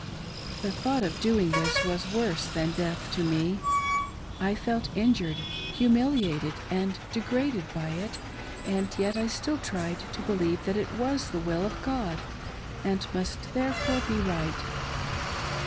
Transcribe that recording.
The thought of doing this was worse than death to me. I felt injured, humiliated and degraded by it, and yet I still tried to believe that it was the will of God, and must therefore be right.